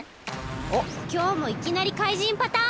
おっきょうもいきなりかいじんパターン！